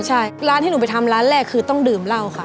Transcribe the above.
ใช่ร้านที่หนูไปทำร้านแรกคือต้องดื่มเหล้าค่ะ